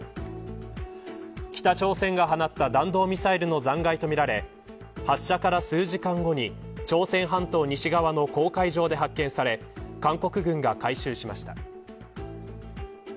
北朝鮮が放った弾道ミサイルの残がいとみられ発射から数時間後に朝鮮半島西側の黄海上で発見され韓国軍が回収しました。